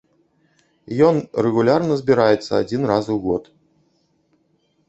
Ён рэгулярна збіраецца адзін раз у год.